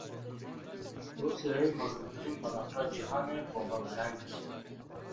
Rûsyayê mezintirîn balefira cîhanê bombebaran kir.